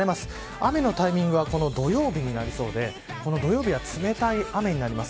雨のタイミングはこの土曜日になりそうで土曜日は冷たい雨になります。